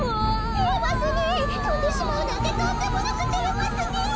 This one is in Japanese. てれますねえとんでしまうなんてとんでもなくてれますねえ。